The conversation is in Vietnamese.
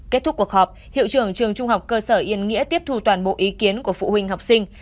kết thúc cuộc họp hiệu trưởng trường trung học cơ sở yên nghĩa tiếp thu toàn bộ ý kiến của phụ huynh học sinh